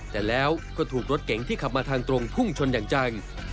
แต่แล้วก็ถูกรถเก๋งที่ขับมาทางตรงพุ่งชนอย่างจัง